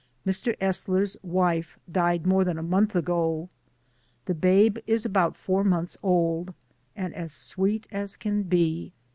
Mr. Esler's wife died more than a month ago. The babe is about four months old, and as sweet as can be.